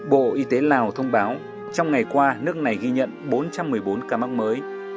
bộ y tế lào thông báo trong ngày qua nước này ghi nhận bốn trăm một mươi bốn ca mắc mới